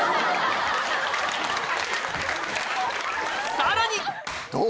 さらに！